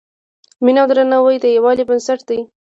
مینه او درناوی د یووالي بنسټ دی.